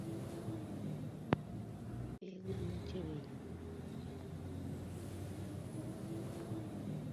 Desde la fundación hasta su fallecimiento fue presidente nacional de las Hermandades de Trabajo.